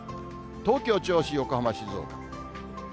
東京、銚子、横浜、静岡。